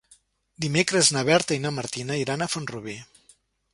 Dimecres na Berta i na Martina iran a Font-rubí.